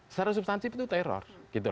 secara substantif itu teror